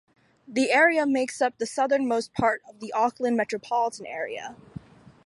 The area makes up the southernmost part of the Auckland metropolitan area.